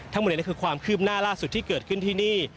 ทั้งหมดนี้คือความคืบหน้าล่าสุดที่เกิดขึ้นที่นี่